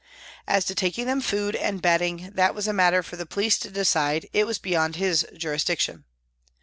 As to taking them food and bedding, that was a matter for the police to decide, it was beyond his jurisdiction.